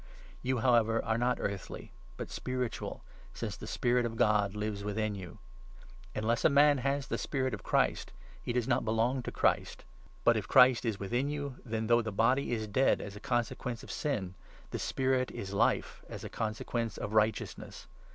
You, however, are not earthly but 9 spiritual, since the Spirit of God lives within you. Unless a man has the Spirit of Christ, he does not belong to Christ ; but, if Christ is within you, then, though the body is dead as a 10 consequence of sin, the spirit is Life as a consequence of righteousness.